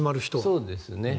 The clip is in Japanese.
そうですね。